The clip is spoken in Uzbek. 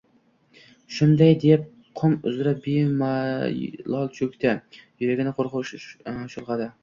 Shunday deb qum uzra bemajol cho‘kdi — yuragini qo‘rquv chulg‘adi.